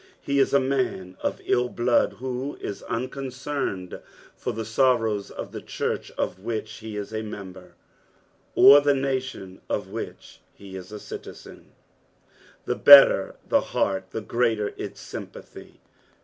He is a man of ill blood wbo is unconcerned for tbe sorrowa of the church of which be is a member, or the nation of which he is a citizen ; the better the heart the greater its sjmpathf.